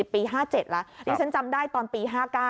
มีมาตั้งแต่ปี๕๗ละทีนี้ฉันจำได้ตอนปี๕๙